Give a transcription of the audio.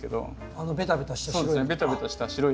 あのベタベタした白い。